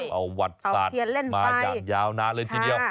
ประวัติศาสตร์มาอย่างยาวนานเลยทีเดียว